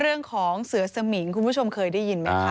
เรื่องของเสือสมิงคุณผู้ชมเคยได้ยินไหมคะ